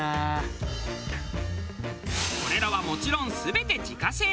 これらはもちろん全て自家製。